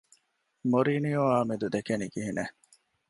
މޮރިީނިއޯއާ މެދު ދެކެނީ ކިހިނެއް؟